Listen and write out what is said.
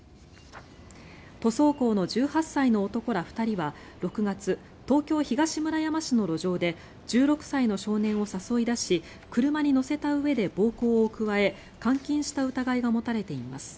塗装工の１８歳の男ら２人は６月東京・東村山市の路上で１６歳の少年を誘い出し車に乗せたうえで暴行を加え監禁した疑いが持たれています。